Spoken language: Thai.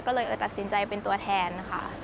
ก็เลยตัดสินใจเป็นตัวแทนค่ะ